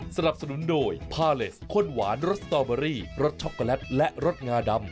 สนับสนุนโดยพาเลสข้นหวานรสสตอเบอรี่รสช็อกโกแลตและรสงาดำ